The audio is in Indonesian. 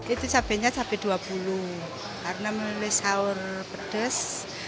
itu sabanya cabai dua puluh karena melalui sahur pedas